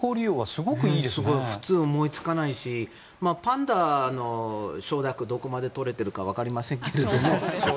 すごい。普通思いつかないしパンダの承諾がどこまで取れているかわかりませんが。